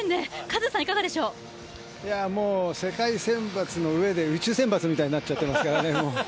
世界選抜のうえで宇宙選抜みたいになっちゃってますからね。